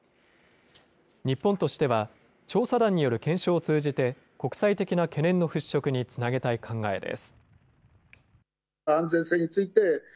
日本としては、調査団による検証を通じて国際的な懸念の払拭につなげたい考えです。